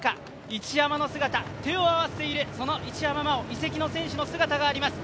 一山の姿、手を合わせている一山麻緒、移籍選手の姿があります。